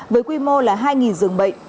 với quy mô là hai dường bệnh